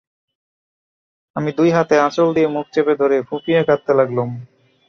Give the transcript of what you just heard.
আমি দুই হাতে আঁচল দিয়ে মুখ চেপে ধরে ফুঁপিয়ে কাঁদতে লাগলুম।